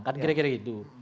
kan kira kira gitu